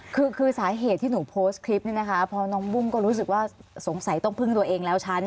คือคือสาเหตุที่หนูโพสต์คลิปนี้นะคะพอน้องบุ้งก็รู้สึกว่าสงสัยต้องพึ่งตัวเองแล้วฉัน